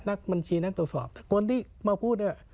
นักบัญชีนักตรวจสอบคนที่มาพูด